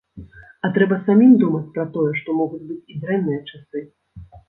А трэба самім думаць пра тое, што могуць быць і дрэнныя часы.